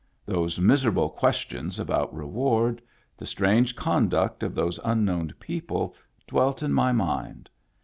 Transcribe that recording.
Those miserable questions about re ward, the strange conduct of those unknown people, dwelt in my mind.